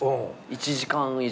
１時間以上。